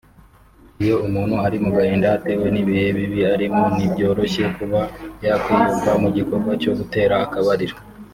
Iyo umuntu ari mu gahinda atewe n’ibihe bibi arimo ntibyoroshye kuba yakwiyumva mu gikorwa cyo gutera akabariro